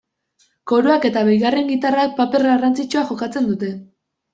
Koruak eta bigarren gitarrak paper garrantzitsua jokatzen dute.